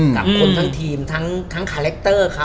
กับคนทั้งทีมทั้งคาแรคเตอร์เขา